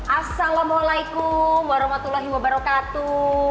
assalamualaikum warahmatullahi wabarakatuh